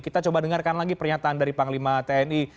kita coba dengarkan lagi pernyataan dari panglima tni